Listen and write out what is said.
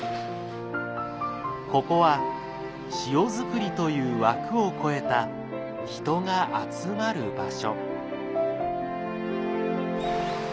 ここは塩づくりという枠を超えた人が集まる場所。